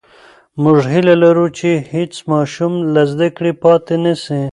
موږ هیله لرو چې هېڅ ماشوم له زده کړې پاتې نسي.